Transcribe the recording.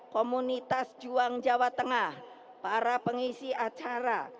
komunitas juang jawa tengah para pengisi acara